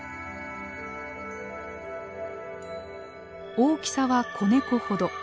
大きさは子ネコほど。